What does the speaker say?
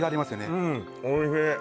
うんおいしい